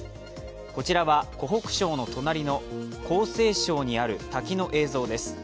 こちらは湖北省の隣の江西省にある滝の映像です。